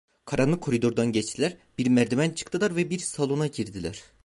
Karanlık koridordan geçtiler, bir merdiven çıktılar ve bir salona girdiler.